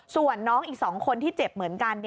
ส่วนน้องอีก๒คนที่เจ็บเหมือนกัน